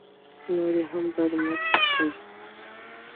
نور یې هم برمته کړه.